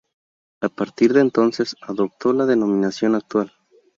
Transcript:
A partir de entonces adoptó la denominación actual.